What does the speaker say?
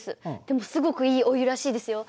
でもすごくいいお湯らしいですよ。